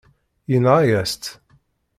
Yenɣa-yas-tt.